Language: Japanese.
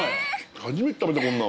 初めて食べたこんなの。